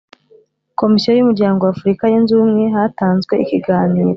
Komisiyo y umuryango wa afurika yunze ubumwe hatanzwe ikiganiro